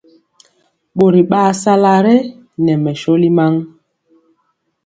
Ɓori ɓaa sala re nɛ mɛ sɔli maŋ.